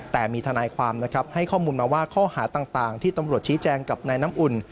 แต่มีทนายความนะครับให้ข้อมูลมาว่าข้อหาต่างที่ตำรวจชี้แจงกับนายน้ำอุ่น